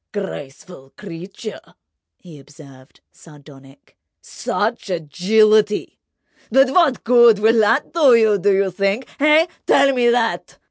"Graceful creature!" he observed, sardonic. "Such agility! But what good will that do you, do you think? Eh? Tell me that!"